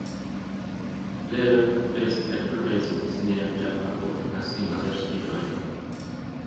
Lehrer placed advertisements near Jaffa port asking others to join him.